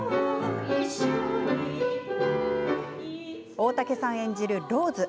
大竹さん演じるローズ。